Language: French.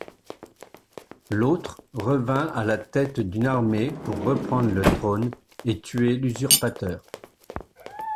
L’autre revint à la tête d’une armée pour reprendre le trône et tuer l’usurpateur.